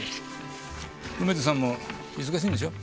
梅津さんも忙しいんでしょ？